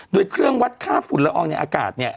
โดยเครื่องวัดค่าฝุ่นละอองในอากาศเนี่ย